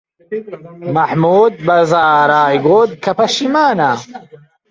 مەحموود بە زارای گوت کە پەشیمانە.